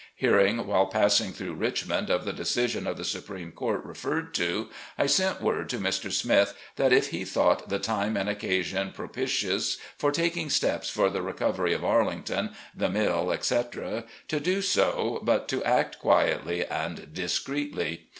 Hearing, while passing through Richmond, of the decision of the Supreme Court referred to, I sent word to Mr. Smith that if he thought the time and occasion propitious for taking steps for the recovery of Arlington, the Mill, etc., to do so, but to act quietly and discreetly.